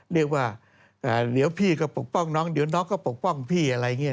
เรียกว่าพี่ก็ปกป้องน้องน้องก็ปกป้องพี่